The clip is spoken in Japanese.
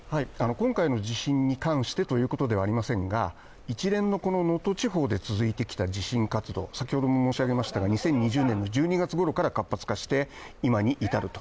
今回の地震に関してということではありませんが、一連の能登地方で続いてきた地震活動、２０２０年１２月ごろから活発化して、今に至ると。